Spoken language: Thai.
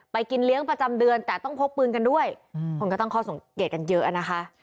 กินเลี้ยงประจำเดือนแต่ต้องพกปืนกันด้วยคนก็ตั้งข้อสังเกตกันเยอะนะคะ